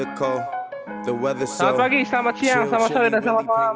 selamat pagi selamat siang selamat sore dan selamat malam